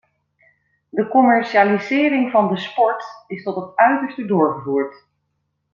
De commercialisering van de sport is tot het uiterste doorgevoerd.